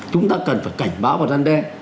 chúng ta cần phải cảnh báo vào đan đen